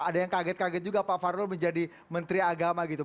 ada yang kaget kaget juga pak farul menjadi menteri agama gitu